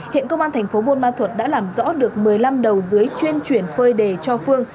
hiện công an thành phố buôn ma thuật đã làm rõ được một mươi năm đầu dưới chuyên chuyển phơi đề cho phương